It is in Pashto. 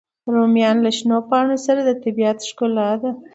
رومیان له شنو پاڼو سره د طبیعت ښکلا ده